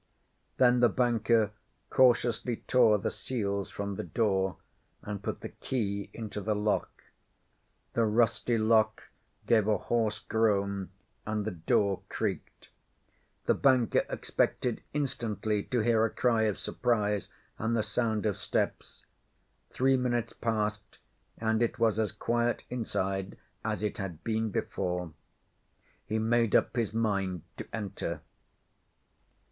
Then the banker cautiously tore the seals from the door and put the key into the lock. The rusty lock gave a hoarse groan and the door creaked. The banker expected instantly to hear a cry of surprise and the sound of steps. Three minutes passed and it was as quiet inside as it had been before. He made up his mind to enter.